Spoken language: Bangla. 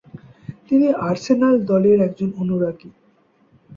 তিনি আর্সেনাল দলের একজন অনুরাগী।